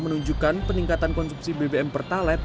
menunjukkan peningkatan konsumsi bbm pertalet